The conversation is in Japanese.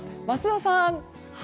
桝田さん。